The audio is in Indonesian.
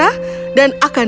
dan akan hilang selama ini